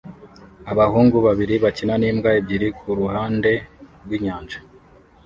Abahungu babiri bakina n'imbwa ebyiri kuruhande rwinyanja